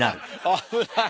危ない。